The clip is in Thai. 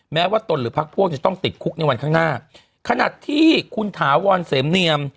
แม้ว่าตนหรือพักพวกจะต้องติดคุกในวันข้างหน้าขณะที่คุณถาวรเสมเนียม